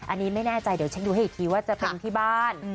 อันนี้ไม่แน่ใจเดี๋ยวเช็คดูให้อีกทีว่าจะเป็นที่บ้าน